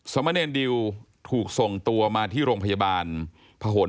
สมเนรดิวถูกส่งตัวมาที่โรงพยาบาลพหน